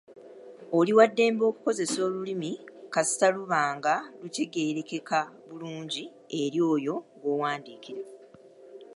Oli wa ddembe okukozesa olulimi kasita luba nga lutegeerekeka bulungi eri oyo gw'owandiikira.